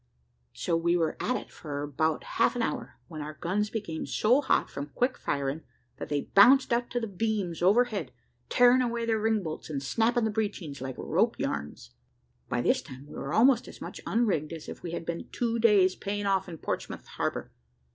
"So we were at it for about half an hour, when our guns became so hot from quick firing, that they bounced up to the beams overhead, tearing away their ringbolts, and snapping the breechings like rope yarns. By this time we were almost as much unrigged as if we had been two days paying off in Portsmouth harbour.